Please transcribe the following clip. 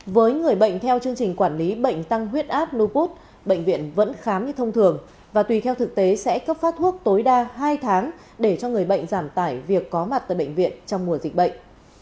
với người bệnh theo chương trình quản lý bệnh tăng huyết áp nupot bệnh viện vẫn khám như thông thường và tùy theo thực tế sẽ cấp phát thuốc tối đa hai tháng để cho người bệnh giảm tải việc có mặt tại bệnh viện trong mùa dịch bệnh